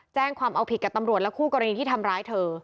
แจ้งความเอาผิดกับตำรวจและคู่กรณีที่ทำร้ายเธอ